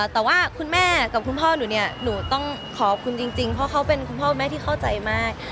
แต่ว่าคุณแม่กับคุณพ่อหนูเนี่ยหนูต้องขอบคุณจริงเพราะเขาเป็นคุณพ่อคุณแม่ที่เข้าใจมาก